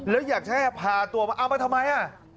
แล้วอยากจะให้พาตัวมาเอามาทำไมอ่ะ